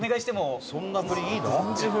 伊達：そんな振り、いいの？